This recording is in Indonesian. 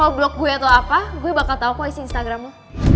mau lo blok gue atau apa gue bakal tau kok isi instagram lo